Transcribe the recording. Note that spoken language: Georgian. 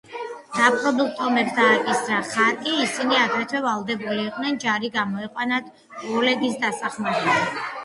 დაპყრობილ ტომებს დააკისრა ხარკი, ისინი აგრეთვე ვალდებული იყვნენ ჯარი გამოეყვანათ ოლეგის დასახმარებლად.